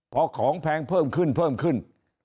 เพราะของแพงเพิ่มขึ้น